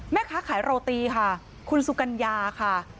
แม่ค้าขายโรตีค่ะคุณสุกัญญาค่ะ